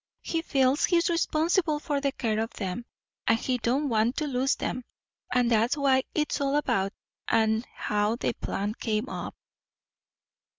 He feels he is responsible for the care of 'em, and he don't want to lose 'em. And that's what it's all about, and how the plan came up."